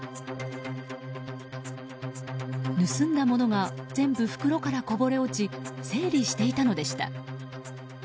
盗んだものが全部袋からこぼれ落ち整理していたのでした。